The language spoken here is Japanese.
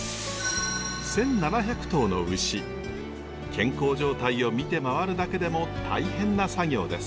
健康状態を見て回るだけでも大変な作業です。